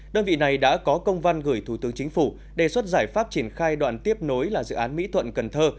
đơn vị này đã có công văn gửi thủ tướng chính phủ đề xuất giải pháp triển khai đoạn tiếp nối là dự án mỹ thuận cần thơ